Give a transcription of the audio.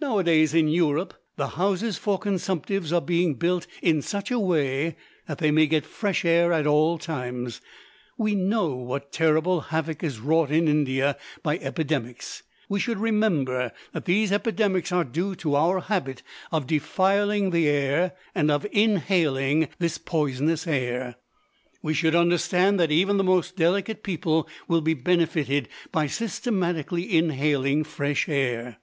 Now a days, in Europe, the houses for consumptives are being built in such a way that they may get fresh air at all times. We know what terrible havoc is wrought in India by epidemics. We should remember that these epidemics are due to our habit of defiling the air, and of inhaling this poisonous air. We should understand that even the most delicate people will be benefitted by systematically inhaling fresh air.